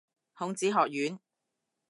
孔子學院